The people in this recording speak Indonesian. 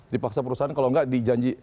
dipaksa perusahaan kalau nggak dijanji